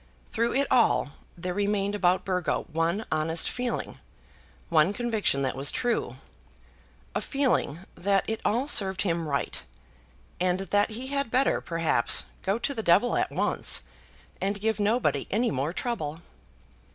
Through it all there remained about Burgo one honest feeling, one conviction that was true, a feeling that it all served him right, and that he had better, perhaps, go to the devil at once, and give nobody any more trouble.